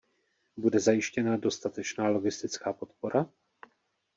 Bude zajištěna dostatečná logistická podpora?